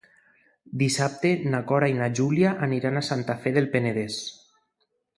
Dissabte na Cora i na Júlia aniran a Santa Fe del Penedès.